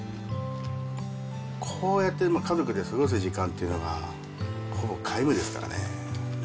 こうやって家族で過ごす時間というのが、ほぼ皆無ですからね。